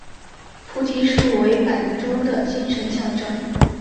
菩提树为板中的精神象征。